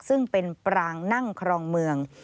ซึ่งเป็นปรางนั่งครองเมือง